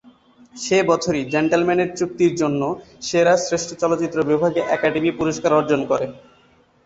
সে বছরই "জেন্টলম্যানের চুক্তির জন্য" সেরা শ্রেষ্ঠ চলচ্চিত্র বিভাগে একাডেমি পুরস্কার অর্জন করে।